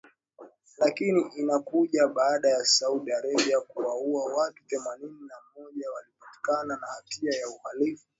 lakini inakuja baada ya Saudi Arabia kuwaua watu themanini na mmoja waliopatikana na hatia ya uhalifu